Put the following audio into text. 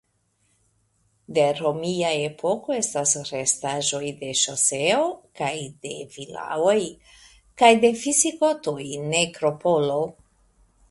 De romia epoko estas restaĵoj de ŝoseo kaj de vilaoj; kaj de visigotoj nekropolo.